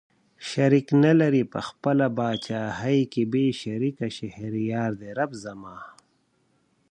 شريک نه لري په خپله پاچاهۍ کې بې شريکه شهريار دئ رب زما